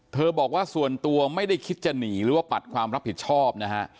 บอกว่าส่วนตัวไม่ได้คิดจะหนีหรือว่าปัดความรับผิดชอบนะฮะ